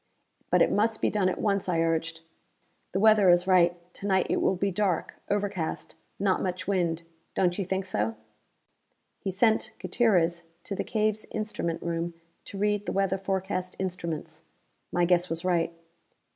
"But it must be done at once," I urged. "The weather is right; to night it will be dark; overcast; not much wind. Don't you think so?" He sent Gutierrez to the cave's instrument room to read the weather forecast instruments. My guess was right.